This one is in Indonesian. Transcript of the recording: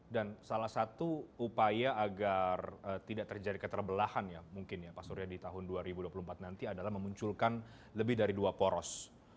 dan salah satu upaya agar tidak terjadi keterbelahan ya mungkin ya pak surya di tahun dua ribu dua puluh empat nanti adalah memunculkan lebih dari dua poros